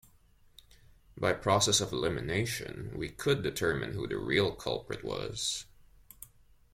By process of elimination we could determine who the real culprit was.